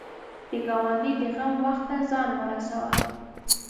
د ګاونډي د غم وخت ته ځان ورسوه